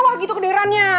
mewah gitu kederannya